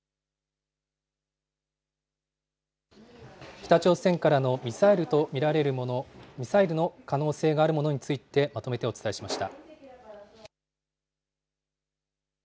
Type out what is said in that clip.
北朝鮮からのミサイルと見られるもの、ミサイルの可能性があるものについて、まとめてお伝えしました。